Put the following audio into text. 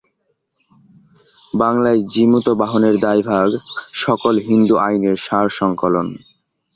বাংলায় জীমূতবাহনের দায়ভাগ সকল হিন্দু-আইনের সারসংকলন।